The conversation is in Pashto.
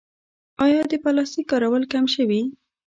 آیا د پلاستیک کارول کم شوي؟